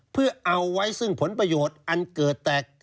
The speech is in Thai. เพื่อเอาไว้ซึ่งผลประโยชน์อันเกิดแตก